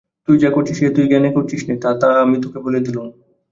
তুই যা করছিস এ তুই জ্ঞানে করছিস নে, তা আমি তোকে বলে দিলুম।